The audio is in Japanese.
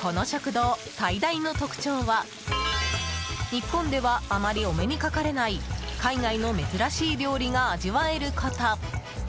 この食堂最大の特徴は日本ではあまりお目にかかれない海外の珍しい料理が味わえること。